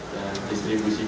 dan distribusi kita